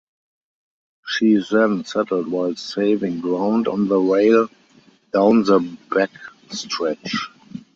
She then settled while saving ground on the rail down the backstretch.